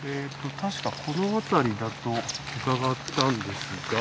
たしかこの辺りだと伺ったんですが。